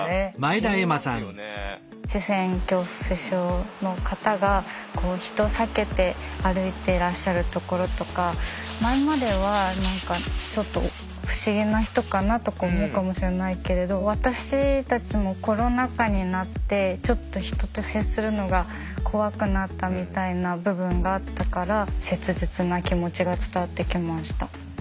視線恐怖症の方が人を避けて歩いてらっしゃるところとか前まではちょっと不思議な人かなとか思うかもしれないけれど私たちもコロナ禍になってちょっと人と接するのが怖くなったみたいな部分があったから切実な気持ちが伝わってきました。